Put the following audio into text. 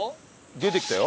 出てきたよ。